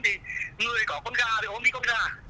thì người có con gà thì ôm đi con gà